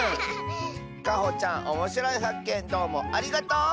かほちゃんおもしろいはっけんどうもありがとう！